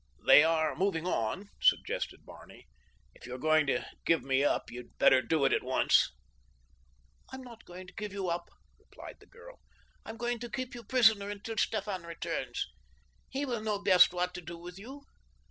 "They are moving on," suggested Barney. "If you are going to give me up you'd better do it at once." "I'm not going to give you up," replied the girl. "I'm going to keep you prisoner until Stefan returns—he will know best what to do with you.